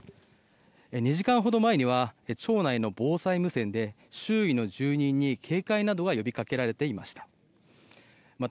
２時間ほど前には町内の防災無線で周囲の住人に警戒などが呼びかけられていました。